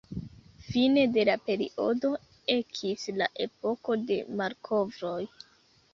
Fine de la periodo, ekis la Epoko de Malkovroj.